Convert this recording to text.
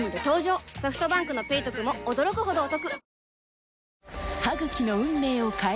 ソフトバンクの「ペイトク」も驚くほどおトク